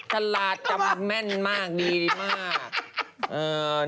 ฉลาดจำแม่นมากดีมาก